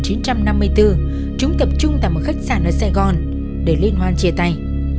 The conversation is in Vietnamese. đầu tháng một mươi hai năm một nghìn chín trăm năm mươi bốn chúng tập trung tại một khách sạn ở sài gòn để liên hoan chia tay